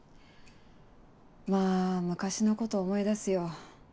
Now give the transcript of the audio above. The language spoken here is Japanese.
まぁ昔のことを思い出すよ。